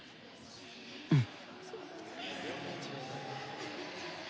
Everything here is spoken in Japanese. うん！